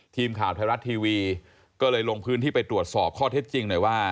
ทีมข่าวไทยรัฐทีวีก็เลยลงพื้นที่ไปตรวจสอบข้อเท็จจริงหน่อยว่า